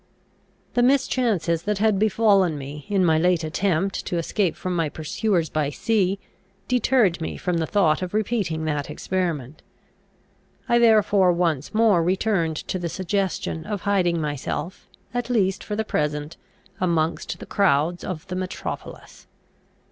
The mischances that had befallen me, in my late attempt to escape from my pursuers by sea, deterred me from the thought of repeating that experiment. I therefore once more returned to the suggestion of hiding myself, at least for the present, amongst the crowds of the metropolis.